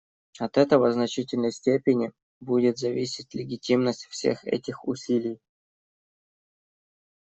От этого в значительной степени будет зависеть легитимность всех этих усилий.